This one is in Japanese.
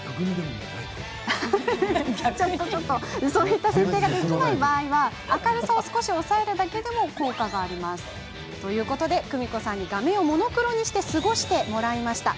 そういった設定ができない場合は、スマホの明るさを少し抑えるだけでも効果があるそうです。ということで、久美子さんに画面をモノクロにして過ごしてもらいました。